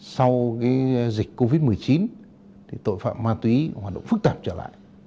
sau dịch covid một mươi chín tội phạm ma túy hoạt động phức tạp trở lại